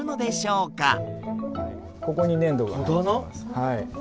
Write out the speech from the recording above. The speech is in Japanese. はい。